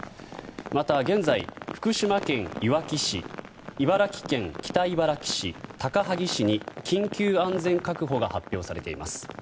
また現在、福島県いわき市茨城県北茨城市、高萩市に緊急安全確保が発表されています。